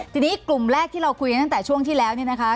ทีนี้กลุ่มแรกที่เราคุยกันตั้งแต่ช่วงที่แล้วเนี่ยนะคะ